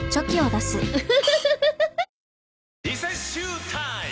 リセッシュータイム！